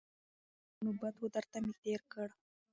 بس یو نوبت وو درته مي تېر کړ